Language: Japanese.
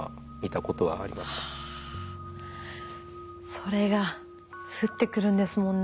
それが降ってくるんですもんね。